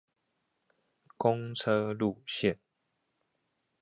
公車路線